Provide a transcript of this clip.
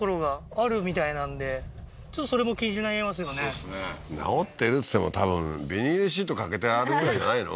はいはいおおー直ってるっつっても多分ビニールシートかけてあるぐらいじゃないの？